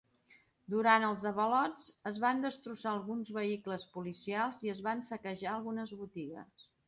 Durant els avalots, es van destrossar alguns vehicles policials i es van saquejar algunes botigues.